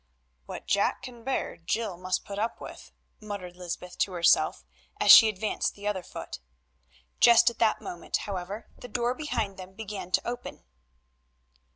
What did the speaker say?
"What Jack can bear Jill must put up with," muttered Lysbeth to herself as she advanced the other foot. Just at that moment, however, the door behind them began to open.